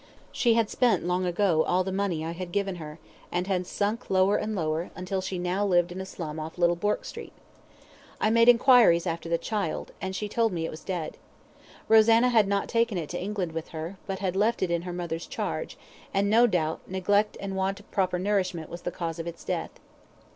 She had spent long ago all the money I had given her, and had sank lower and lower, until she now lived in a slum off Little Bourke Street. I made enquiries after the child, and she told me it was dead. Rosanna had not taken it to England with her, but had left it in her mother's charge, and, no doubt, neglect and want of proper nourishment was the cause of its death.